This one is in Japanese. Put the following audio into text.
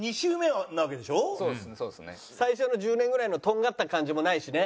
最初の１０年ぐらいのとんがった感じもないしね。